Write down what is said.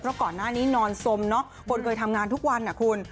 เพราะก่อนหน้านี้นอนสมเนอะคนเคยทำงานทุกวันนะคุณ